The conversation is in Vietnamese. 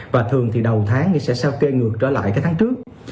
và thường thì đầu tháng nó sẽ sao kê ngược trở lại cái tháng trước